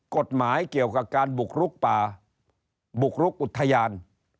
กฎหมายเกี่ยวกับการบุกลุกป่าบุกรุกอุทยาน